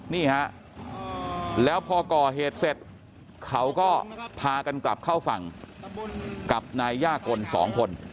นี่ฮะแล้วพอก่อเหตุเสร็จเขาก็พากันกลับเข้าฝั่งกับนายย่ากลสองคน